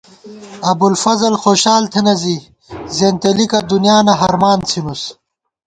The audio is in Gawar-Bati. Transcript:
ابُوالفضل خوشال تھنہ زی زېنتېلِکہ دُنیانہ ہرمان څھِنُس